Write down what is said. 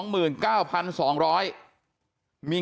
มีงานที่ไหน